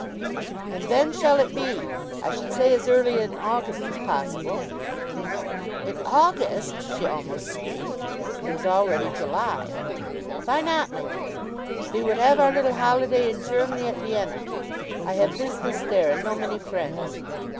"And ven shall it be? I should say as early in August as possible." "In August!" she almost screamed. It was already July. "Vy not, my dear? Ve would have our little holiday in Germany, at Vienna. I have business there, and know many friends."